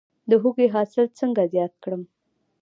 د هوږې حاصل څنګه زیات کړم؟